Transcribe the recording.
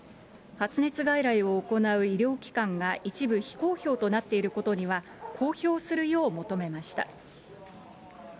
発熱外来を行う医療機関が一部非公表となっていることには、公表するよう求めました。